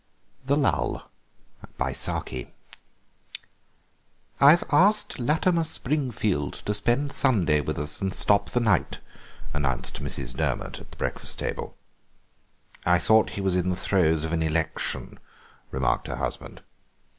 THE LULL "I've asked Latimer Springfield to spend Sunday with us and stop the night," announced Mrs. Durmot at the breakfast table. "I thought he was in the throes of an election," remarked her husband.